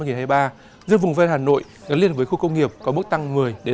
giữa vùng ven hà nội gắn liền với khu công nghiệp có mức tăng một mươi hai mươi